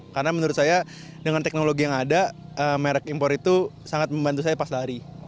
karena menurut saya dengan teknologi yang ada merek impor itu sangat membantu saya pas lari